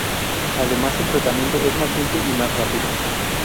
Además, el tratamiento es más simple y más rápido.